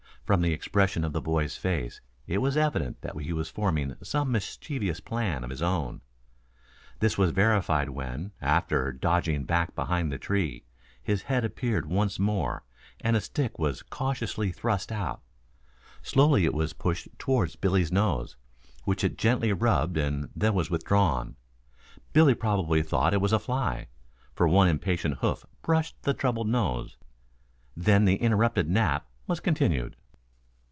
From the expression of the boy's face it was evident that he was forming some mischievous plan of his own. This was verified when, after dodging back behind the tree, his head appeared once more and a stick was cautiously thrust out. Slowly it was pushed toward Billy's nose, which it gently rubbed and then was withdrawn. Billy probably thought it was a fly, for one impatient hoof brushed the troubled nose; then the interrupted nap was continued.